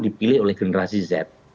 dipilih oleh generasi z